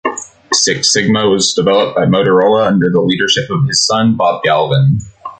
Six sigma was developed at Motorola under the leadership of his son, Bob Galvin.